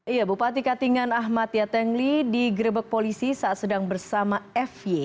iya bupati katingan ahmad yatengli digrebek polisi saat sedang bersama f y